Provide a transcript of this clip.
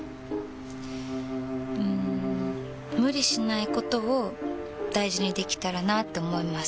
うん無理しないことを大事にできたらなって思います。